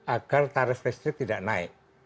agar tarif listrik tidak naik